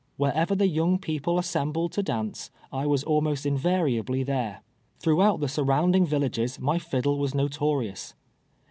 "Wherever the young people assembled to dance, I was almost invariably there. Throughout the surrounding villages my fiildle was notorious.